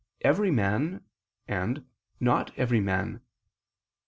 "Every man," and "Not every man."